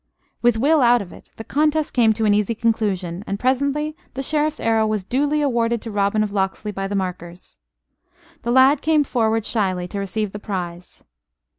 With Will out of it, the contest came to an easy conclusion; and presently the Sheriff's arrow was duly awarded to Robin of Locksley by the markers. The lad came forward shyly to receive the prize.